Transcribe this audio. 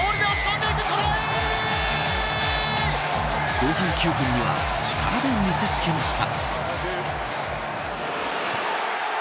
後半９分には力で見せ付けました。